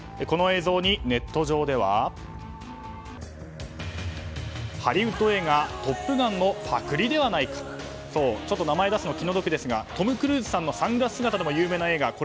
この映像に、ネット上では。ハリウッド映画「トップガン」のパクリではないかとちょっと名前を出すのは気の毒ですがトム・クルーズさんのサングラス姿でも有名な映画。